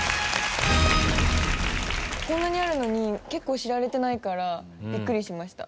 こんなにあるのに結構知られてないからビックリしました。